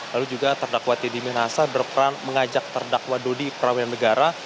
lalu juga terdakwa teddy minahasa berperan mengajak terdakwa dodi prawiran negara